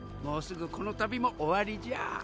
もうすぐこの旅も終わりじゃ。